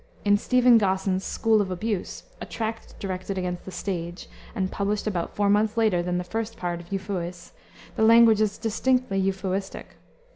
In Stephen Gosson's School of Abuse, a tract directed against the stage and published about four months later than the first part of Euphues, the language is distinctly Euphuistic.